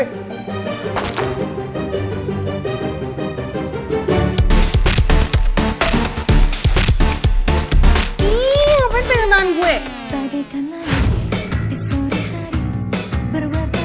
ihh ngapain pengen tangan gue